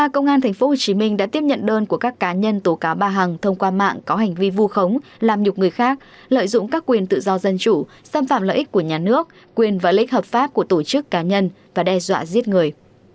công an tp hcm đã tiếp nhận đơn của các cá nhân tố cáo bà hằng thông qua mạng có hành vi vu khống làm nhục người khác lợi dụng các quyền tự do dân chủ xâm phạm lợi ích của nhà nước quyền và lợi ích hợp pháp của tổ chức cá nhân và đe dọa giết người